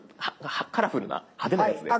カラフルな派手なやつです。